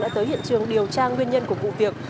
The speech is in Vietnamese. đã tới hiện trường điều tra nguyên nhân của vụ việc